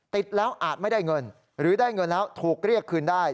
ติดแล้วอาจไม่ได้เงินหรือได้เงินแล้วถูกเรียกคืนได้